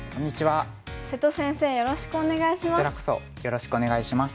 瀬戸先生よろしくお願いします。